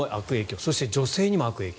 そして女性にも悪影響。